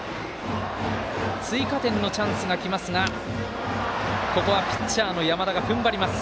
追加点のチャンスがきますがここはピッチャーの山田がふんばります。